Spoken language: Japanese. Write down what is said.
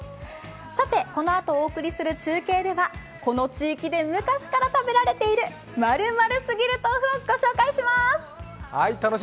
さて、このあとお送りする中継ではこの地域で昔から食べられている○○すぎる豆腐を御紹介します。